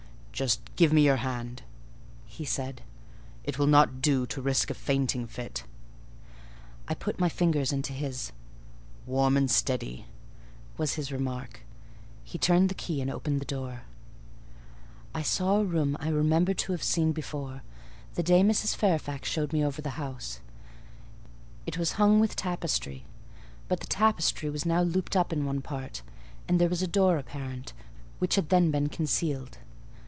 "Just give me your hand," he said: "it will not do to risk a fainting fit." I put my fingers into his. "Warm and steady," was his remark: he turned the key and opened the door. I saw a room I remembered to have seen before, the day Mrs. Fairfax showed me over the house: it was hung with tapestry; but the tapestry was now looped up in one part, and there was a door apparent, which had then been concealed.